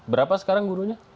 berapa sekarang gurunya